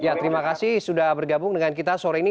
ya terima kasih sudah bergabung dengan kita sore ini